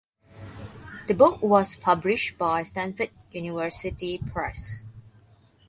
The book was published by Stanford University Press.